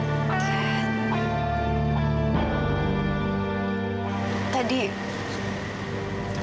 gak wajar kan